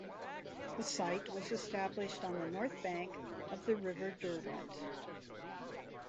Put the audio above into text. The site was established on the north bank of the River Derwent.